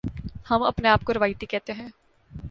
ہم اپنے آپ کو روایتی کہتے ہیں۔